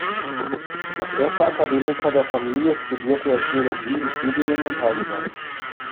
Als erster Akademiker der Familie studierte er Theologie in Tübingen und Heidelberg.